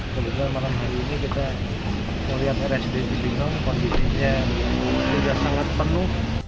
kebetulan malam hari ini kita melihat rsd cibinong kondisinya sudah sangat penuh